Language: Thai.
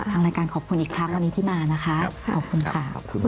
ทางรายการขอบคุณอีกครั้งวันนี้ที่มานะคะขอบคุณค่ะ